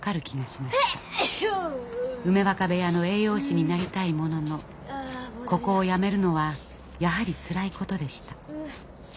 梅若部屋の栄養士になりたいもののここを辞めるのはやはりつらいことでした。